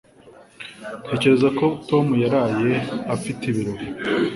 Natekereje ko Tom yaraye afite ibirori